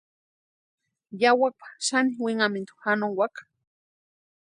Yawakwa xani winhamintu janonkwaka.